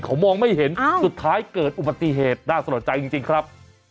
เขามองไม่เห็นสุดท้ายเกิดอุบัติเหตุน่าสะลดใจจริงครับ